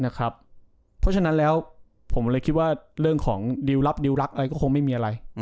เพราะฉะนั้นแล้วผมเลยคิดว่าเรื่องของดิวรับดิวรักอะไรก็คงไม่มีอะไร